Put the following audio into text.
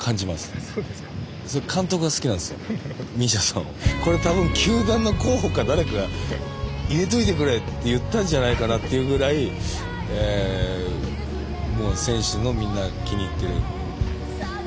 その中でやっぱりこれ多分球団の広報か誰かが入れといてくれって言ったんじゃないかなっていうぐらいもう選手のみんなが気に入ってる。